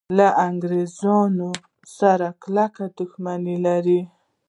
له انګریزانو سره کلکه دښمني لري.